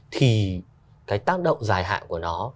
thì tác động dài hạn của nó